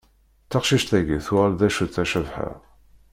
Taqcict-agi tuɣal d acu-tt a Cabḥa?